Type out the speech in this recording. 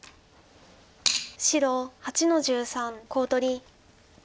白８の十三コウ取り。